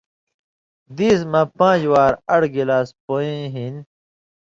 دیس میں پاݩژ وار اڑوۡ گلاس پویں ہِن